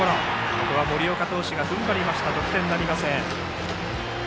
ここは森岡投手が踏ん張りまして得点なりません。